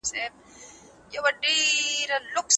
تکویني پوښتنې تاریخ ته مراجعه کوي.